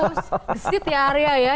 gesit ya area ya